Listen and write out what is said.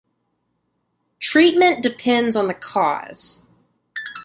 Treatment depends on the cause.